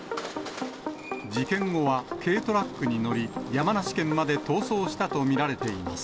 事件後は軽トラックに乗り、山梨県まで逃走したと見られています。